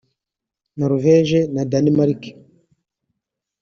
Norvège na Danemark